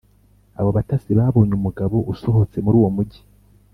Abo batasi babonye umugabo usohotse muri uwo mugi,